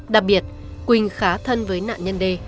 đặc biệt quỳnh khá thân với nạn nhân d